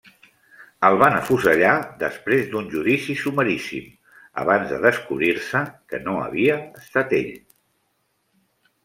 El van afusellar després d'un judici sumaríssim, abans de descobrir-se que no havia estat ell.